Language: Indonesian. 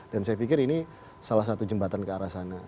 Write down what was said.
dan saya pikir ini salah satu jembatan ke arah sana